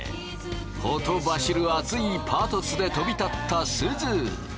ほとばしる熱いパトスで飛び立ったすず。